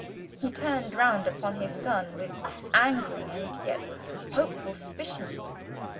He turned round upon his son with angry and yet hopeful suspicion.